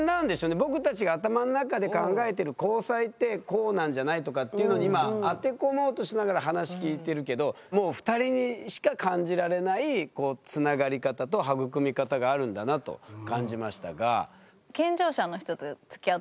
僕たちが頭の中で考えてる交際ってこうなんじゃない？とかっていうのに今当て込もうとしながら話聞いてるけどもう２人にしか感じられないつながり方と育み方があるんだなと感じましたが。